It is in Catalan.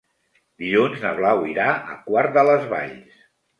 Dilluns na Blau irà a Quart de les Valls.